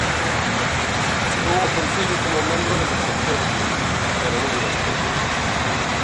Chegou ao concello como membro de Protección Civil, pero non lle bastou.